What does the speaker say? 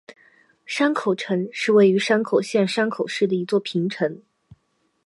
山口城是位在山口县山口市的一座平城。